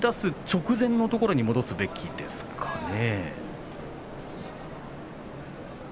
直前のところに戻すべきですかね。